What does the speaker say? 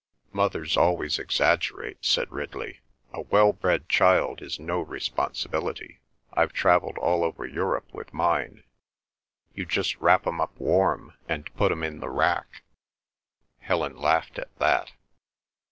"Mothers always exaggerate," said Ridley. "A well bred child is no responsibility. I've travelled all over Europe with mine. You just wrap 'em up warm and put 'em in the rack." Helen laughed at that.